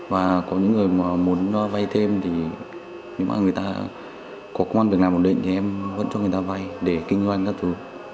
và có những người mà muốn vai thêm thì nếu mà người ta có công an được làm ổn định thì em vẫn cho người ta vai để kinh doanh các thứ